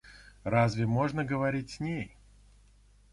Разве можно говорить с ней?